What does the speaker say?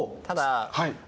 ただ。